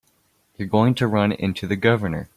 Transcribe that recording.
You're going to run into the Governor.